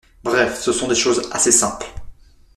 Bref, ce sont des choses assez simples.